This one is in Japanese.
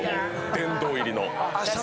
殿堂入り！